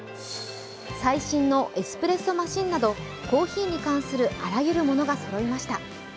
最新のエスプレッソマシンなどコーヒーに関するあらゆるものがそろいました。